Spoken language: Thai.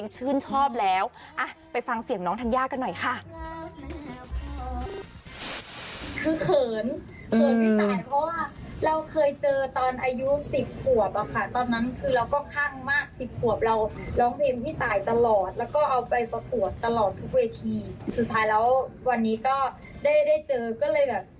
สุดท้ายแล้ววันนี้ก็ได้เจอก็เลยแบบ